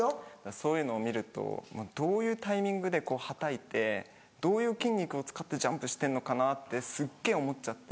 そういうのを見るとどういうタイミングではたいてどういう筋肉を使ってジャンプしてんのかなってすっげぇ思っちゃって。